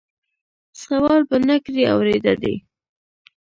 سوال به نه کړې اورېده دي